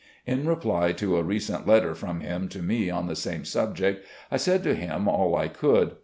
In reply to a recent letter from him to me on the same subject, I said to him all I could.